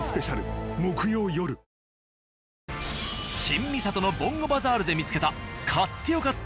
新三郷の「ボンゴバザール」で見つけた。